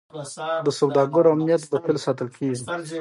د سوداګرو امنیت به ساتل کیږي.